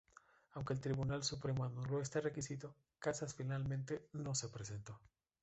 Aunque el Tribunal Supremo anuló este requisito, Casas finalmente no se presentó.